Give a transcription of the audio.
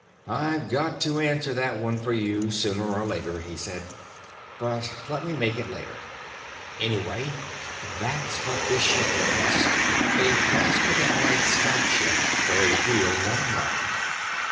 "I've got to answer that one for you sooner or later," he said, "but let me make it later. Anyway, that's what this ship was: a faster than light scout ship for a real longliner.